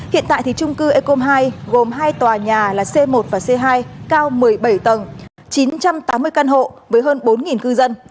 hiện tại thì trung cư ecom hai gồm hai tòa nhà là c một và c hai cao một mươi bảy tầng chín trăm tám mươi căn hộ với hơn bốn cư dân